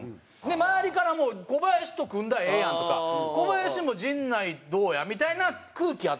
周りからも「小林と組んだらええやん」とか「小林も陣内どうや？」みたいな空気あったんですよ。